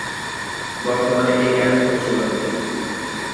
বর্তমানে এ গানের প্রচলন নেই।